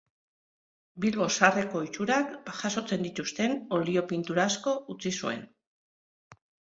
Bilbo zaharreko ohiturak jasotzen dituzten olio pintura asko utzi zuen.